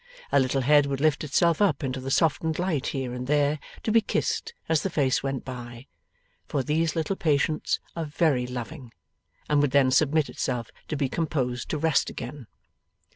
A little head would lift itself up into the softened light here and there, to be kissed as the face went by for these little patients are very loving and would then submit itself to be composed to rest again.